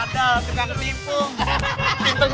tidak kena sayang